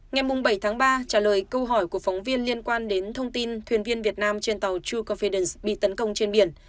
ngày bảy tháng ba trả lời câu hỏi của phóng viên liên quan đến thông tin thuyền viên việt nam trên tàu true confidence bị tấn công trên biển